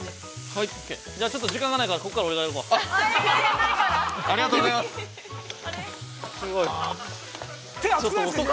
◆ちょっと時間がないからここから俺がやろか。